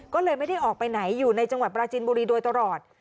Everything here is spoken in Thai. ก็เลยไม่ได้ออกไปไหนอยู่ในจังหวัดปราจินบุรีโดยตลอด